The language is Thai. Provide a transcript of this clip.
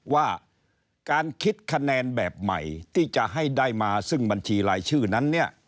ว่าการคิดคะแนนแบบใหม่ที่จะให้ได้มาซึ่งบัญชีรายชื่อนั้นเนี่ย